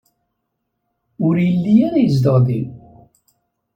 Ur yelli ara yezdeɣ din.